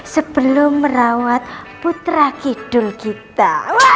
sebelum merawat putra kidul kita